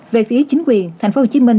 về phía chính quyền thành phố hồ chí minh